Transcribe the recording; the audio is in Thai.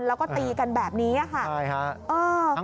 แล้วก็ตีกันแบบนี้ค่ะ